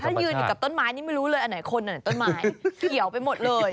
ถ้ายืนอยู่กับต้นไม้นี่ไม่รู้เลยอันไหนคนอันไหนต้นไม้เขียวไปหมดเลย